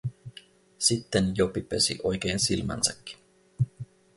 Sitten Jopi pesi oikein silmänsäkin.